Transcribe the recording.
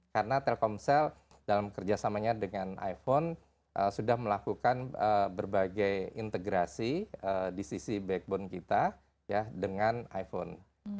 karena telkomsel dalam kerjasamanya dengan iphone sudah melakukan berbagai integrasi di sisi backbone kita dengan iphone